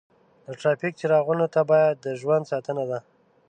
د ټرافیک څراغونو ته پام د ژوند ساتنه ده.